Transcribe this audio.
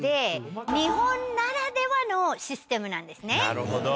なるほど。